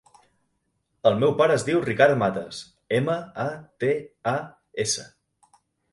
El meu pare es diu Ricard Matas: ema, a, te, a, essa.